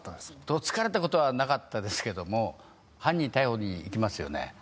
どつかれたことはなかったですけども犯人逮捕に行きますよね